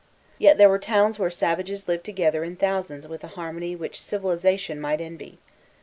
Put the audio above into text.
Yet there were towns where savages lived together in thousands with a harmony which civilization might envy.